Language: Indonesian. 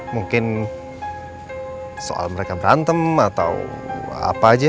mungkin soal mereka berantem atau apa aja